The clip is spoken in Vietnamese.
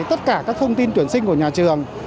tất cả các thông tin tuyển sinh của nhà trường